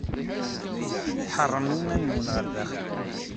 Tḥeṛṛem iman-nwen ɣer daxel.